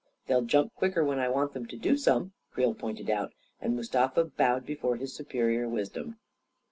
" They'll jump quicker when I want them to do some," Creel pointed out; and Mustafa bowed be fore his superior wisdom.